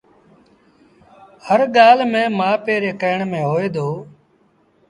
هر ڳآل ميݩ مآ پي ري ڪهيڻ ميݩ هوئي دو